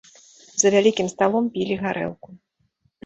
За вялікім сталом пілі гарэлку.